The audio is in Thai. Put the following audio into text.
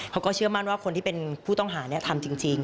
เขาก็เชื่อมั่นว่าคนที่เป็นผู้ต้องหาทำจริง